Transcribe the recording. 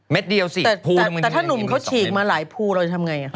เดียวสิแต่ถ้าหนุ่มเขาฉีกมาหลายภูเราจะทำไง